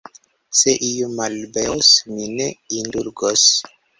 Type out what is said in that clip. Se iu malobeos, mi ne indulgos!